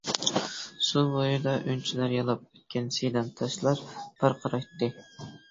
سۇ بويىدا، ئۈنچىلەر يالاپ ئۆتكەن سىيدام تاشلار پارقىرايتتى.